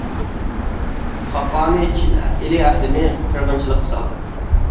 خاقانى چىن ئىلى ئەھلىنى قىرغىنچىلىققا سالدى.